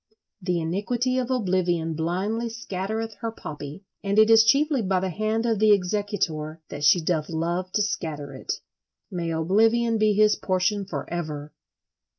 "The iniquity of oblivion blindly scattereth her poppy," and it is chiefly by the hand of the executor that she doth love to scatter it. May oblivion be his portion for ever!